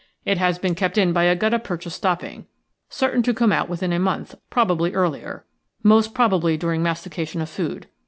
It has been kept in by a gutta percha stopping, certain to come out within a month, probably earlier, and most probably during mastication of food.